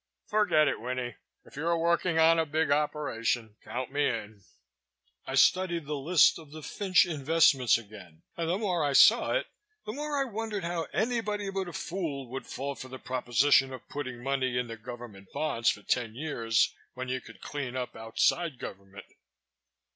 "Forget it, Winnie. If you're working on a big operation, count me in!" I studied the list of the Fynch investments again and the more I saw it the more I wondered how anybody but a fool would fall for the proposition of putting money in the government bonds for ten years, when you could clean up outside government.